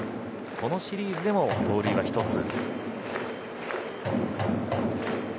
このシリーズでも盗塁１つ。